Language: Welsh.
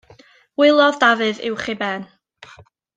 Wylodd Dafydd uwch ei ben.